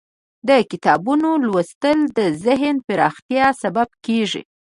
د کتابونو لوستل د ذهن پراختیا سبب کیږي.